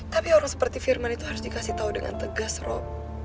tapi orang seperti firman itu harus dikasih tahu dengan tegas rob